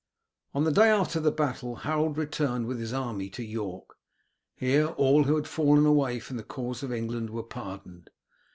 On the day after the battle Harold returned with his army to York. Here all who had fallen away from the cause of England were pardoned.